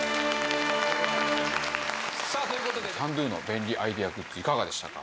さあという事でキャンドゥの便利アイデアグッズいかがでしたか？